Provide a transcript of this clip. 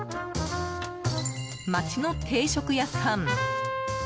街の定食屋さん。